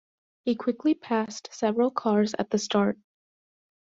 He quickly passed several cars at the start.